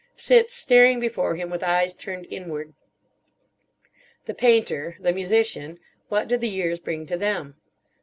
Sits staring before him with eyes turned inward. The Painter, the Musician: what did the years bring to them?